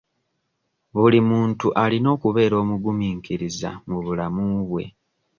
Buli muntu alina okubeera omugumiikiriza mu bulamu bwe.